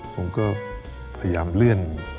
ผมก็พยายามเลื่อน